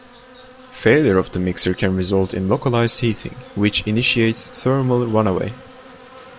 Failure of the mixer can result in localized heating, which initiates thermal runaway.